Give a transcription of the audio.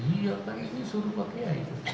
iya pak ini suruh pakai air